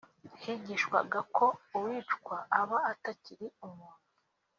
higishwaga ko uwicwa aba atakiri umuntu